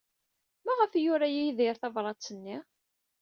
Maɣef ay yura Yidir tabṛat-nni?